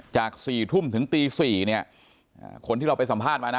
จาก๔ทุ่มถึงตี๔เนี่ยคนที่เราไปสัมภาษณ์มานะ